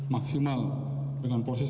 maksimal dengan proses